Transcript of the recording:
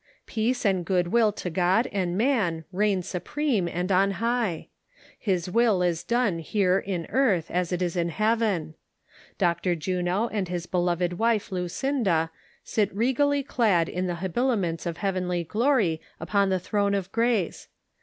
Peace and good will to God and man reign supreme and on high ! His will is done here, in earth, as it is in heaven I Dr. Juno and his beloved wife, Lueinda, sit regally clad in the habilaments of heavenly glory upon the throne of grace